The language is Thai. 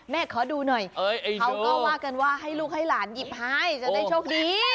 ขอดูหน่อยเขาก็ว่ากันว่าให้ลูกให้หลานหยิบให้จะได้โชคดี